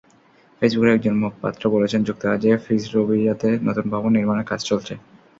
ফেসবুকের একজন মুখপাত্র বলেছেন, যুক্তরাজ্যে ফিজরোভিয়াতে নতুন ভবন নির্মাণের কাজ চলছে।